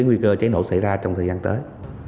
nguy cơ cháy nổ xảy ra trong thời gian tới